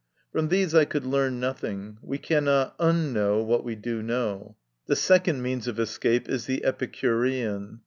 From these I could learn nothing : we cannot unknow what we do know. The second means of escape is the Epicu rean.